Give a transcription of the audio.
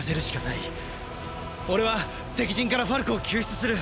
俺は敵陣からファルコを救出する！